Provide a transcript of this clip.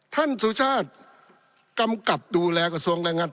สุชาติกำกับดูแลกระทรวงแรงงาน